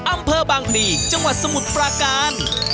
อำเภอบางพลีจังหวัดสมุทรปราการ